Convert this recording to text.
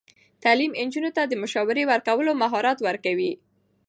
تعلیم نجونو ته د مشاوره ورکولو مهارت ورکوي.